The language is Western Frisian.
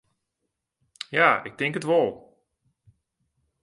Ja, ik tink it wol.